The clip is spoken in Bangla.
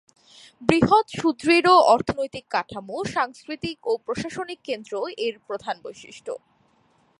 বৃহৎ সুদৃঢ় অর্থনৈতিক কাঠামো, সাংস্কৃতিক ও প্রশাসনিক কেন্দ্র এর প্রধান বৈশিষ্ট্য।